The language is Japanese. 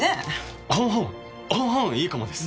半々いいかもです。